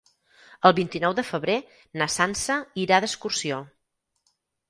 El vint-i-nou de febrer na Sança irà d'excursió.